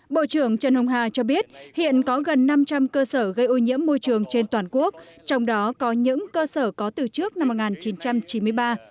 bộ trưởng trần hồng hà cho biết hiện có gần năm trăm linh cơ sở gây ô nhiễm môi trường trên toàn quốc trong đó có những cơ sở có từ trước năm một nghìn chín trăm chín mươi ba